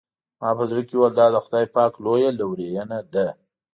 ما په زړه کې وویل دا د خدای پاک لویه لورېینه ده.